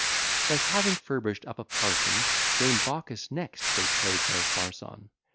Thus having furbish'd up a parson, Dame Baucis next they play'd their farce on.